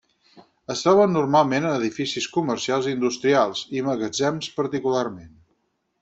Es troben normalment en edificis comercials i industrials, i magatzems particularment.